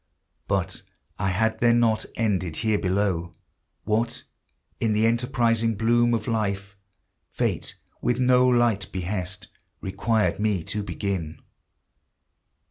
But I had then not ended here below What, in the enterprising bloom of life, Fate with no light behest Required me to begin.